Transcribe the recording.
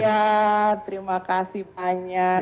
iya terima kasih banyak